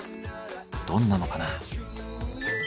どんなのかな。